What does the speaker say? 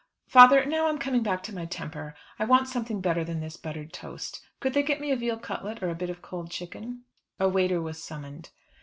"Father, now I'm coming back to my temper, I want something better than this buttered toast. Could they get me a veal cutlet, or a bit of cold chicken?" A waiter was summoned.